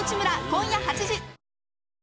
今夜８時。